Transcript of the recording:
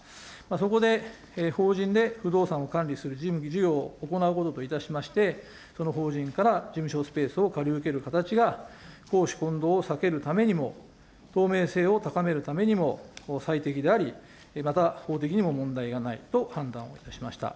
そこで法人で不動産を管理する準備を行うことといたしまして、その法人から事務所スペースを借り受ける形が公私混同を避けるためにも、透明性を高めるためにも、最適であり、また法的にも問題がないと判断をいたしました。